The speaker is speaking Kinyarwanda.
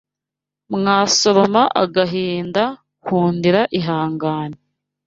Mwasoroma agahinda Nkundira ihangane